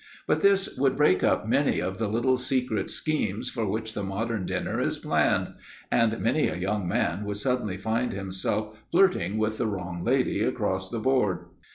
But this would break up many of the little secret schemes for which the modern dinner is planned, and many a young man would suddenly find himself flirting with the wrong lady across the board.